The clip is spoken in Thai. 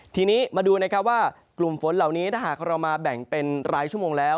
ทีนี้มาดูนะครับว่ากลุ่มฝนเหล่านี้ถ้าหากเรามาแบ่งเป็นรายชั่วโมงแล้ว